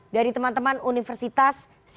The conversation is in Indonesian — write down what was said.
dari teman teman universitas